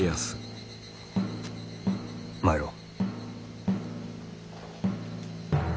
参ろう。